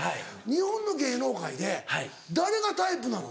日本の芸能界で誰がタイプなの？